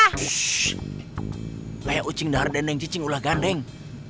shhh kayak ucing dar dan yang cicing ulah gandeng